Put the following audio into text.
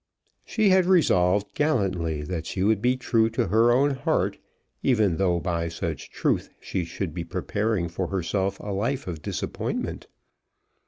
She had resolved gallantly that she would be true to her own heart, even though by such truth she should be preparing for herself a life of disappointment.